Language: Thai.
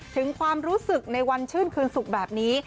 ถึงความรู้สึกในวันชื่นคืนศุกร์แบบนี้